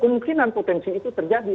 kemungkinan potensi itu terjadi